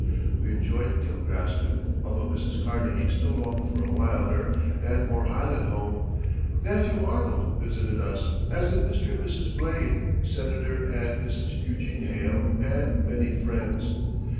We enjoyed Kilgraston, although Mrs. Carnegie still longed for a wilder and more Highland home. Matthew Arnold visited us, as did Mr. and Mrs. Blaine, Senator and Mrs. Eugene Hale, and many friends.